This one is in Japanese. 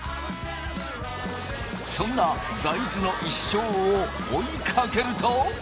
そんな大豆の一生を追いかけると。